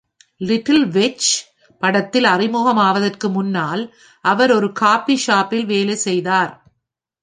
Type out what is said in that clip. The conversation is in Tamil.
"லிட்டில் விட்ச்ஸ்" படத்தில் அறிமுகமாவதற்கு முன்னால், அவர் ஒரு காபி ஷாப்பில் வேலை செய்தார்.